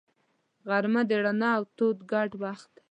غرمه د رڼا او تاو ګډ وخت دی